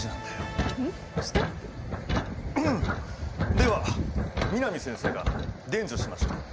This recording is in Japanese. では南先生が伝授しましょう。